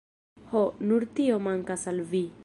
Ho, nur tio mankas al vi!